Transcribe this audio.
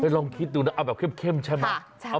เฮ้ยลองคิดดูนะเอาแบบเข้มเข้มใช่ไหมใช่